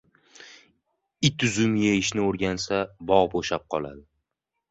• It uzum yeyishni o‘rgansa, bog‘ bo‘shab qoladi.